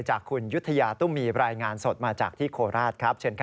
จากคุณยุทธยาตุ้มมีรายงานสดมาจากที่โคราถ